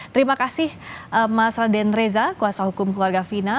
terima kasih mas raden reza kuasa hukum keluarga fina